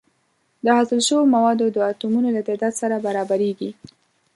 د حاصل شوو موادو د اتومونو له تعداد سره برابریږي.